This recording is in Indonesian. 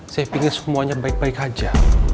saya pingin semuanya baik baik aja